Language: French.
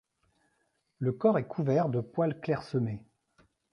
Le corps est couverts de poils clairsemés.